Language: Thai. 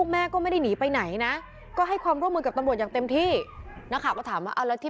ไม่อยากมีเรื่องว่าก็ชากรถจะกลับบ้านเด็ดนี้รถมันยังไงไม่รู้